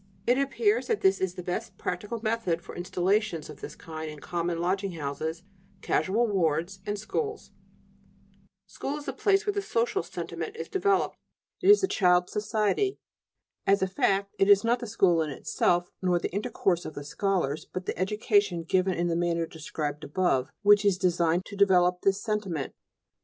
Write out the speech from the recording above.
It appears that this is the best practical method for installations of this kind in common lodging houses, casual wards, and schools." School is the place where the "social sentiment" is developed; it is the child's society. As a fact, it is not the school in itself, nor the intercourse of the scholars, but the education given in the manner described above which is designed to develop this sentiment.